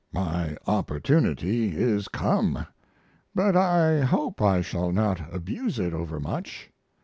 My opportunity is come, but I hope I shall not abuse it overmuch.